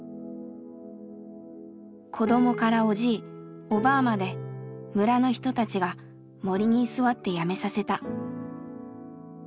子どもからおじいおばあまで村の人たちが森に居座ってやめさせた。